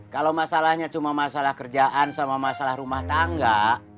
kalau masalahnya cuma masalah kerjaan sama masalah rumah tangga